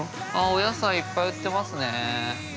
◆お野菜いっぱい売ってますね。